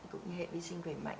cũng như hệ vi sinh khỏe mạnh